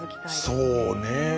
そうね。